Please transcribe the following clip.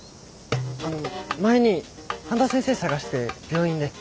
あの前に半田先生捜して病院で。